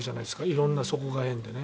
色んな、そこが縁で。